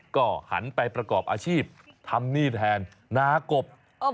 ก็หันไปประกอบอาชีพทำหนี้แทนนากบ